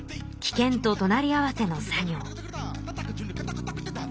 険ととなり合わせの作業。